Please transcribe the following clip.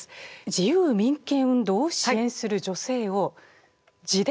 自由民権運動を支援する女性を地で？